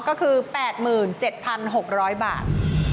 ก็คือ๘๗๖๐๐บาท